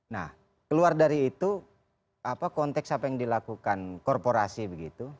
nah keluar dari itu konteks apa yang dilakukan korporasi begitu